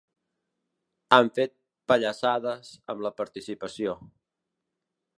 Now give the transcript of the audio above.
Han fet pallassades amb la participació.